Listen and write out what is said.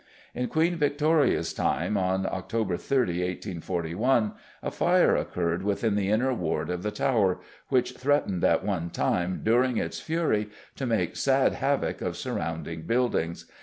In Queen Victoria's time, on October 30, 1841, a fire occurred within the Inner Ward of the Tower, which threatened at one time during its fury to make sad havoc of surrounding buildings.